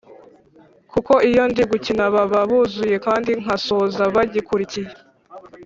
kuko iyo ndi gukina baba buzuye kandi nkasoza bagikurikiye